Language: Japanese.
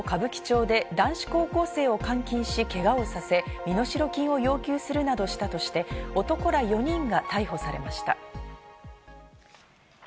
東京・歌舞伎町で男子高校生を監禁し、けがをさせ、身代金を要求するなどした上で、男ら４人が逮捕されました。